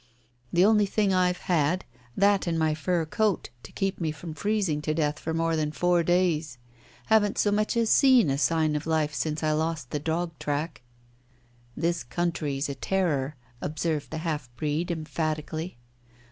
"The only thing I've had that and my fur coat to keep me from freezing to death for more than four days. Haven't so much as seen a sign of life since I lost the dog track." "This country's a terror," observed the half breed emphatically.